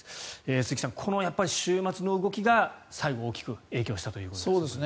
鈴木さん、この週末の動きが最後大きく影響したということですね。